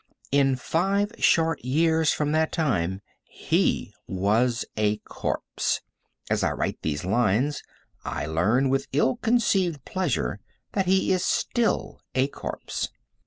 In five short years from that time he was a corpse. As I write these lines, I learn with ill concealed pleasure that he is still a corpse.